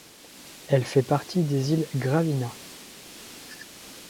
Elle fait partie des îles Gravina.